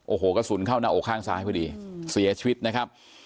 โอ้โหกระสุนเข้าหน้าอกข้างซ้ายพอดีเสียชีวิตนะครับ